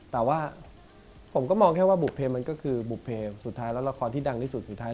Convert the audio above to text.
แต่ว่าผมก็มองแค่ว่าบุเพมันก็คือบุภเพสุดท้ายแล้วละครที่ดังที่สุดสุดท้าย